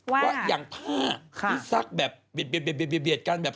ว่าอย่างผ้าที่ซักแบบ